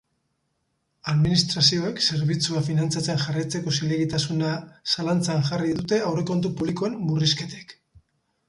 Administrazioek zerbitzua finantzatzen jarraitzeko zilegitasuna zalantzan jarri dute aurrekontu publikoen murrizketek.